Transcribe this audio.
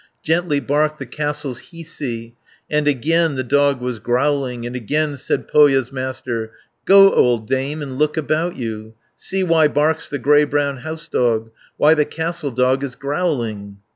Gently barked the castle's Hiisi, And again the dog was growling, And again said Pohja's Master: "Go, old dame, and look about you, 500 See why barks the grey brown house dog, Why the castle dog is growling."